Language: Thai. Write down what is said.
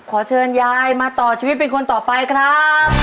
ขอเชิญยายมาต่อชีวิตเป็นคนต่อไปครับ